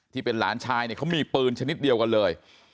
ที่เป็นหลานชายเนี่ยเขามีปืนชนิดเดียวกันเลย